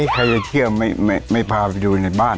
ใครจะเที่ยวไม่พาไปดูในบ้าน